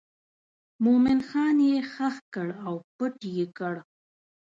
مومن خان یې ښخ کړ او پټ یې کړ.